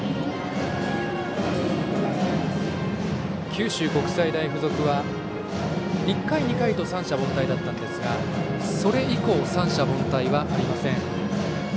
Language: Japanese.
九州国際大付属は１回、２回と三者凡退でしたがそれ以降、三者凡退はありません。